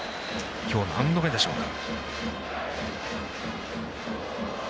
今日何度目でしょうか。